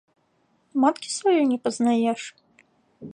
Маткі сваёй не пазнаеш?!